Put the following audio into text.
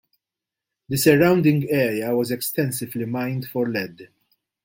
The surrounding area was extensively mined for lead.